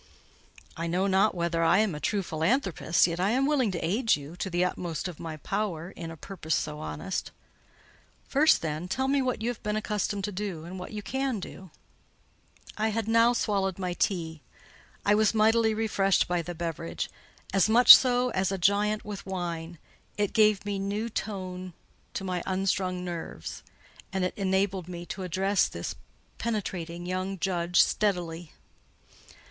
"I know not whether I am a true philanthropist; yet I am willing to aid you to the utmost of my power in a purpose so honest. First, then, tell me what you have been accustomed to do, and what you can do." I had now swallowed my tea. I was mightily refreshed by the beverage; as much so as a giant with wine: it gave new tone to my unstrung nerves, and enabled me to address this penetrating young judge steadily.